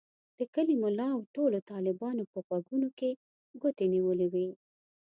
د کلي ملا او ټولو طالبانو په غوږونو کې ګوتې نیولې وې.